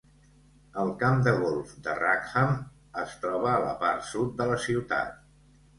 El camp de golf de Rackham es troba a la part sud de la ciutat.